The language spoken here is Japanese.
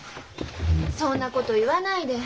そんなこと言わないで。